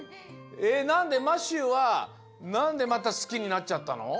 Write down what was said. えっなんでマシューはなんでまた好きになっちゃったの？